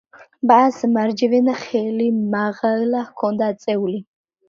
მას მარჯვენა ხელი მაღლა ჰქონდა აწეული.